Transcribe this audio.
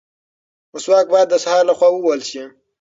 مسواک باید د سهار لخوا ووهل شي.